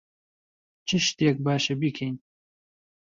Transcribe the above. چ شتێک باشە بیکەین؟